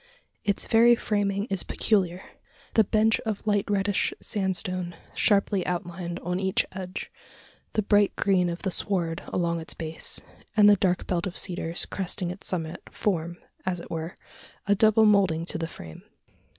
Its very framing is peculiar. The bench of light reddish sandstone sharply outlined on each edge the bright green of the sward along its base and the dark belt of cedars cresting its summit, form, as it were, a double moulding to the frame.